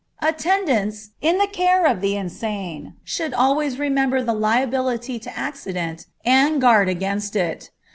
Attendants, in the care of the insane should always remember the liability to accident and guard against it.